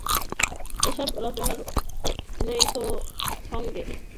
এসব রচনায় চৈতন্যদেবের সঙ্গে অদ্বৈতাচার্যের সাহচর্যের অনেক প্রসঙ্গ স্থান পেয়েছে।